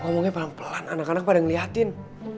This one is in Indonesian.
ngomongnya pelan pelan anak anak pada ngeliatin